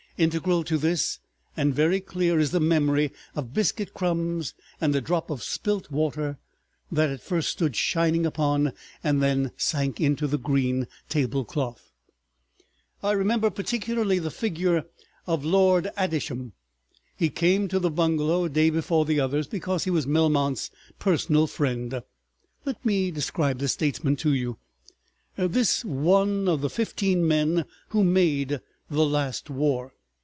Integral to this and very clear is the memory of biscuit crumbs and a drop of spilt water, that at first stood shining upon and then sank into the green table cloth. ... I remember particularly the figure of Lord Adisham. He came to the bungalow a day before the others, because he was Melmount's personal friend. Let me describe this statesman to you, this one of the fifteen men who made the last war.